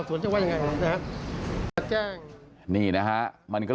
มันก็เลยอ่านเป้าหมายนะครับ